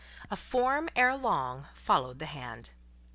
A form, ere long, followed the hand.